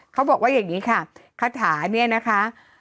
เขาบอกว่าอย่างนี้ค่ะคาถาเนี่ยนะคะ